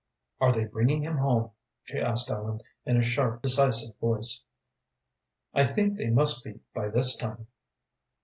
"Are they bringing him home?" she asked Ellen, in a sharp, decisive voice. "I think they must be by this time."